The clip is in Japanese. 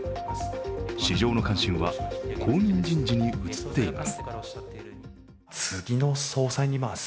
市場の関心は後任人事に移っています。